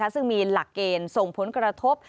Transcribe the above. ซึ่งมีหลักเกณฑ์ส่งผลกระทบ